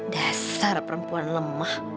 dasar perempuan lemah